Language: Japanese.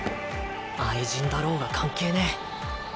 愛人だろうが関係ねぇ。